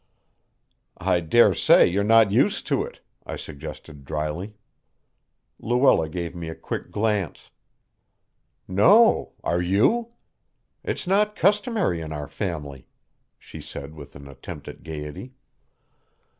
"I dare say you're not used to it," I suggested dryly. Luella gave me a quick glance. "No, are you? It's not customary in our family," she said with an attempt at gaiety.